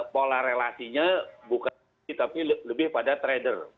pola relasinya bukan tapi lebih pada trader